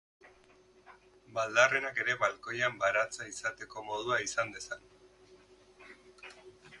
Baldarrenak ere balkoian baratza izateko modua izan dezan.